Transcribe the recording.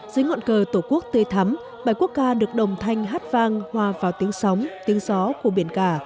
dưới ngọn cờ tổ quốc tươi thắm bài quốc ca được đồng thanh hát vang hoa vào tiếng sóng tiếng gió của biển cả